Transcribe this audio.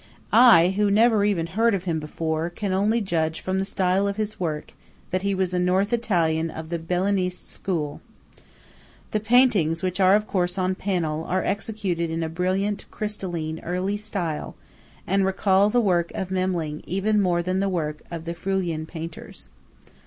I, who never even heard of him before, can only judge from the style of his work that he was a North Italian of the Bellinesque school. The paintings, which are of course on panel, are executed in a brilliant, crystalline, early style, and recall the work of Memling even more than the work of the Friulian painters.